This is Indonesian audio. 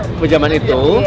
waktu jaman itu